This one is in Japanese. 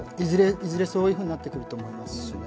いずれそういうふうになってくると思います。